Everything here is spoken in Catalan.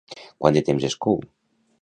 Quant de temps es cou?